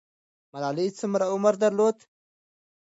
ملالۍ څومره عمر درلود؟